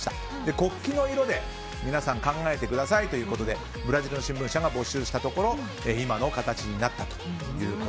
国旗の色で、皆さん考えてくださいということでブラジルの新聞社が募集したところ今の形になったと。